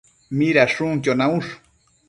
Midashunquio naush?